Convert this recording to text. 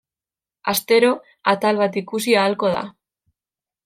Astero atal bat ikusi ahalko da.